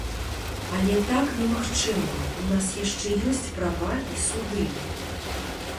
Але так немагчыма, у нас яшчэ ёсць права і суды.